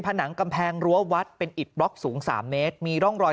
ผนังกำแพงรั้ววัดเป็นอิดบล็อกสูง๓เมตรมีร่องรอย